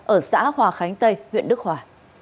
ở xã hòa khánh tây huyện đức hòa